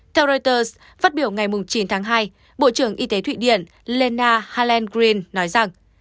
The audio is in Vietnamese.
theo reuters phát biểu ngày chín tháng hai bộ trưởng y tế thụy điển lena haleng green nói rằng